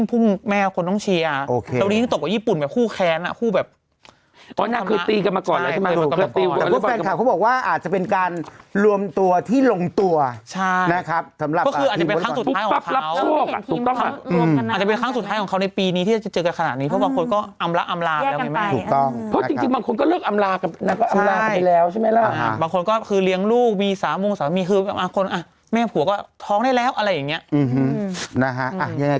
ถูกต้องนะครับทุกคนก็แบบว่าบางคนก็แบบว่าบางคนแต่งงานอะไรอย่างนี้